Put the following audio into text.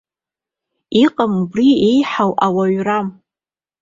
Иҟам убри иеиҳау ауаҩра.